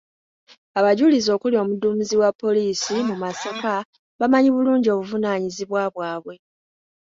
Abajulizi okuli omuduumizi wa poliisi mu Masaka bamanyi bulungi obuvunaanyizibwa bwabwe.